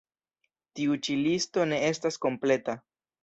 Tiu ĉi listo ne estas kompleta.